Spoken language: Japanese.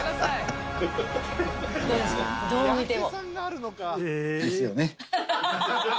どう見ても。